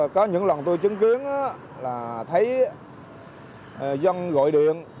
có những lần tôi chứng kiến là thấy dân gọi điện